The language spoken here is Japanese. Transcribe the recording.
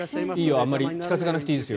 あまり近付かなくていいですよ